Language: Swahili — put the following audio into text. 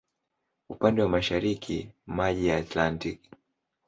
Upande wa mashariki maji ya Atlantiki.